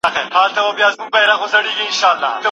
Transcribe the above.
مشرانو ته پښې نه غځول کېږي.